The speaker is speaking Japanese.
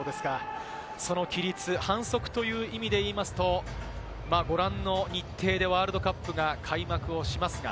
その規律、反則という意味で言いますと、ご覧の日程でワールドカップが開幕をします。